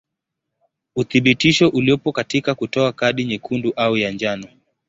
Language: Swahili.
Uthibitisho uliopo katika kutoa kadi nyekundu au ya njano.